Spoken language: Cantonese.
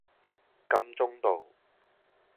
金鐘道